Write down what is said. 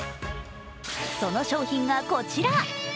その商品がこちら。